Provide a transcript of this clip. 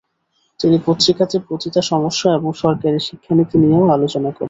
তিনি পত্রিকাতে পতিতা সমস্যা এবং সরকারী শিক্ষানীতি নিয়েও আলোচনা করেন ।